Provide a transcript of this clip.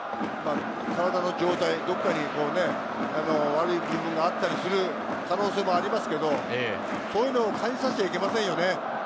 体の状態、どこかに悪い部分があったりする可能性もありますけれど、こういうのを感じさせちゃいけませんよね。